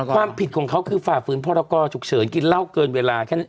ความผิดของเขาคือฝ่าฝืนพรกรฉุกเฉินกินเหล้าเกินเวลาแค่นั้น